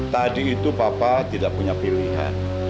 tadi itu papa tidak punya pilihan